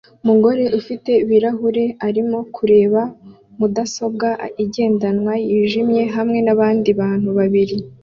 Umugore ufite ibirahure arimo kureba mudasobwa igendanwa yijimye hamwe nabandi bantu babiri